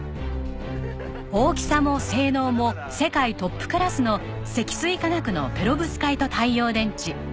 大きさも性能も世界トップクラスの積水化学のペロブスカイト太陽電池。